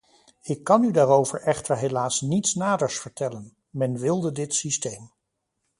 Ik kan u daarover echter helaas niets naders vertellen; men wilde dit systeem.